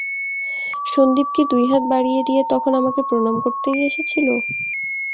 সন্দীপ কি দুই হাত বাড়িয়ে দিয়ে তখন আমাকে প্রণাম করতেই এসেছিল?